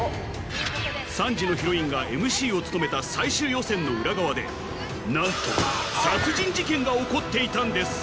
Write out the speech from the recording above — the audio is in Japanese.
３時のヒロインがＭＣを務めた最終予選の裏側でなんと殺人事件が起こっていたんです